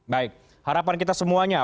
baik harapan kita semuanya